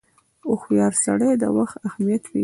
• هوښیار سړی د وخت اهمیت پیژني.